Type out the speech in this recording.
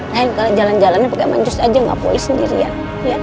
lain kali jalan jalannya pake mancus aja gak boleh sendirian